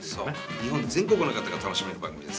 日本全国の方が楽しめる番組です。